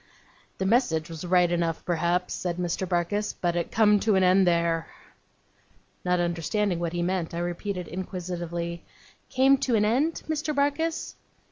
'The message was right enough, perhaps,' said Mr. Barkis; 'but it come to an end there.' Not understanding what he meant, I repeated inquisitively: 'Came to an end, Mr. Barkis?